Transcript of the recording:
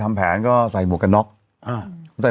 เมื่อ